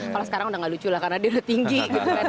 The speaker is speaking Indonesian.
kalau sekarang udah gak lucu lah karena dia udah tinggi gitu kan